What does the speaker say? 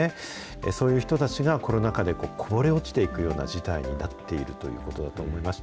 そういう人たちがコロナ禍でこぼれ落ちていくような事態になっているということだと思いました。